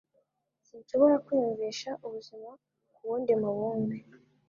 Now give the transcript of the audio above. Sinshobora kwiyumvisha ubuzima kuwundi mubumbe.